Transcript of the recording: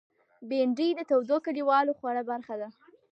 بېنډۍ د تودو کلیوالو خوړو برخه ده